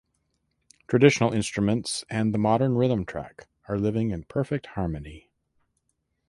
Traditional instruments and the modern rhythm track are living in perfect harmony.